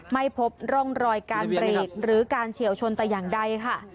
ไม่พบร่องรอยการเบรกหรือการเฉียวชนแต่อย่างใดค่ะ